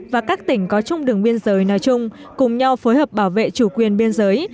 và các tỉnh có chung đường biên giới nói chung cùng nhau phối hợp bảo vệ chủ quyền biên giới